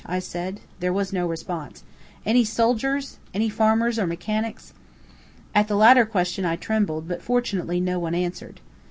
I said. There was no response. "Any soldiers? Any farmers or mechanics?" At the latter question I trembled, but fortunately no one answered.